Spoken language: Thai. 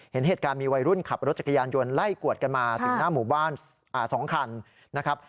เห็นเหตุการณ์มีวัยรุ่นขับรถจักรยานยนต์ไล่กวดกันมาถึงหน้าหมู่บ้าน๒คันนะครับ